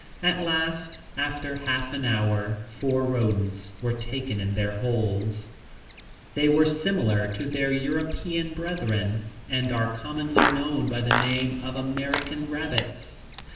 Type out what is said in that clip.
At last, after half an hour, four rodents were taken in their holes. They were similar to their European brethren, and are commonly known by the name of American rabbits.